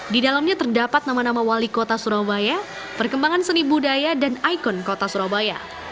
di dalamnya terdapat nama nama wali kota surabaya perkembangan seni budaya dan ikon kota surabaya